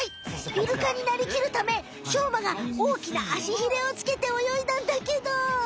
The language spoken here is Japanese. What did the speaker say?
イルカになりきるためしょうまがおおきなあしひれをつけて泳いだんだけど。